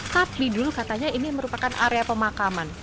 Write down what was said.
tapi dulu katanya ini merupakan area pemakaman